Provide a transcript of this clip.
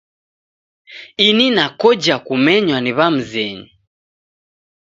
Ini nakoja kumenywa ni w'amzenyu